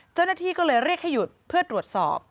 เจ้าหน้าที่ก็เลยเรียกให้หยุดเพื่อตรวจสอบ